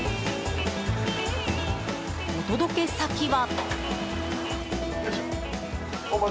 お届け先は。